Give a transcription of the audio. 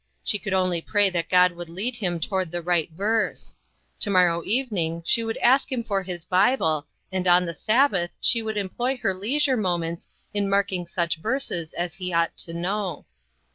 She could only pray that God would lead him toward the right verse. To morrow evening she would ask him for his Bible, and on the Sabbath she would em ploy her leisure moments in marking such verses as he ought to know.